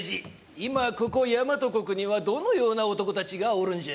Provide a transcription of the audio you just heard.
今ここ大和国にはどのような男達がおるんじゃ？